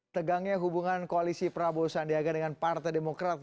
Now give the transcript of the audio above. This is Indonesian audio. tegangnya hubungan koalisi prabowo sandiaga dengan partai demokrat